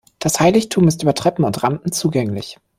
Das Heiligtum ist über Treppen und Rampen zugänglich.